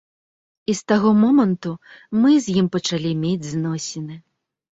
І з таго моманту мы з ім пачалі мець зносіны.